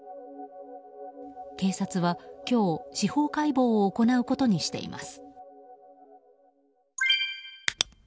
警察は今日、司法解剖を行うことにしています。